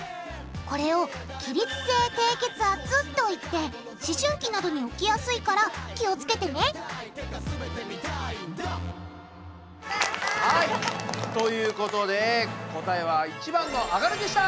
これを「起立性低血圧」と言って思春期などに起きやすいから気を付けてねはい！ということで答えは１番の「上がる」でした。